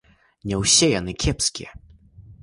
Не ўсе яны кепскія.